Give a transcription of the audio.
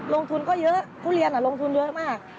ลงทุนก็เยอะทุเรียนลงทุนเยอะมาก